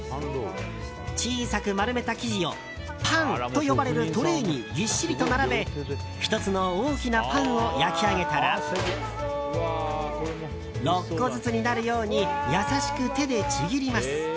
小さく丸めた生地をパンと呼ばれるトレーにぎっしりと並べ１つの大きなパンを焼き上げたら６個ずつになるように優しく手でちぎります。